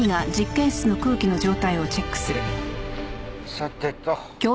さてと。